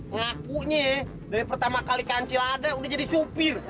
ngakunya dari pertama kali kancilada udah jadi sopir